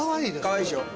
かわいいでしょ。